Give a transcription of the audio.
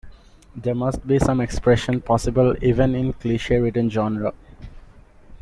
There must be some expression possible even in a cliche-ridden genre.